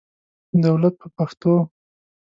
دولت په پښتو.